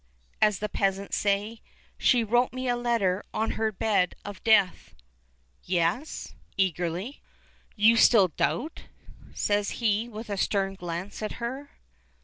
as the peasants say. She wrote me a letter on her bed of death." "Yes?" Eagerly. "You still doubt?" says he, with a stern glance at her.